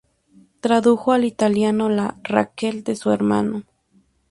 Tradujo al italiano la "Raquel" de su hermano.